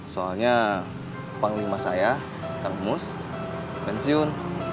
soalnya panglima saya kang mus pensiun